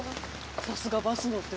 さすが「バスの」って。